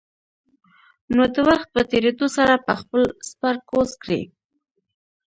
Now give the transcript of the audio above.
نو د وخت په تېرېدو سره به خپل سپر کوز کړي.